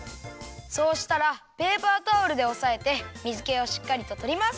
そうしたらペーパータオルでおさえて水けをしっかりととります。